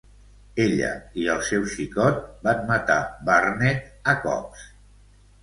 Ella i el seu xicot van matar Barnett a cops.